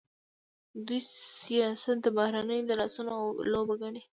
دوی سیاست د بهرنیو د لاسونو لوبه ګڼي.